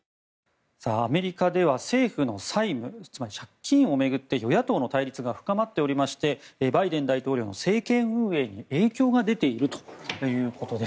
アメリカでは政府の債務つまり借金を巡って与野党の対立が深まっておりましてバイデン大統領の政権運営に影響が出ているということです。